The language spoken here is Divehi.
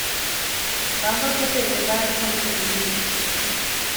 ރަނގަޅު ގޮތެއް ވެދާނެ ކަމުގެ އުންމީދު